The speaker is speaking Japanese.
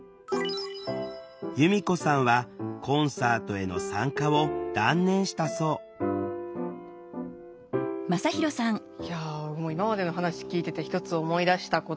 弓子さんはコンサートへの参加を断念したそういや今までの話聞いてて一つ思い出したことがあって。